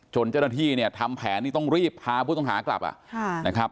เจ้าหน้าที่เนี่ยทำแผนนี่ต้องรีบพาผู้ต้องหากลับนะครับ